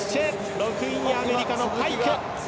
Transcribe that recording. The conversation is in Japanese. ６位にアメリカのパイク！